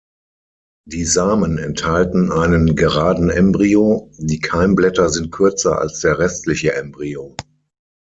Die Samen enthalten einen geraden Embryo, die Keimblätter sind kürzer als der restliche Embryo.